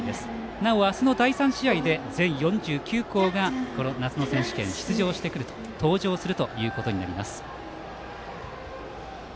なお明日の第３試合で全４９校が夏の選手権に登場してくることになります。